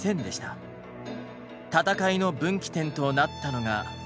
戦いの分岐点となったのが。